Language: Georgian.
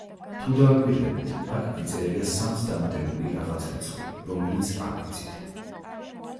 თუ დააკვირდებით, აქ გვიწერია სამს დამატებული რაღაც რიცხვი, რომელიც არ ვიცით.